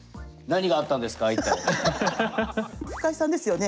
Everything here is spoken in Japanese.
深井さんですよね。